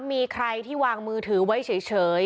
มีใครที่วางมือถือไว้เฉย